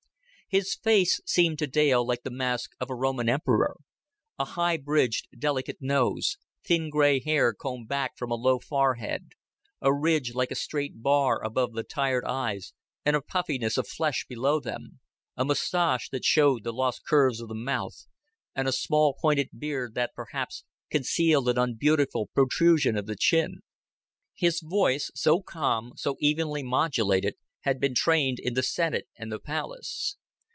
His face seemed to Dale like the mask of a Roman emperor a high bridged delicate nose, thin gray hair combed back from a low forehead, a ridge like a straight bar above the tired eyes and a puffiness of flesh below them, a moustache that showed the lose curves of the mouth, and a small pointed beard that perhaps concealed an unbeautiful protrusion of the chin. His voice, so calm, so evenly modulated, had been trained in the senate and the palace.